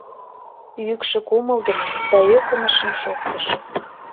Йӱкшӧ кумылдымын да ӧкынышын шоктыш.